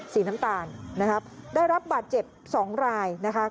สีน้ำตาลนะครับได้รับบาดเจ็บ๒รายนะคะ